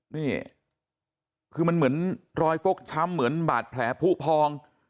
นี่คือมันเหมือนรอยฟกช้ำเหมือนบาดแผลผู้พอง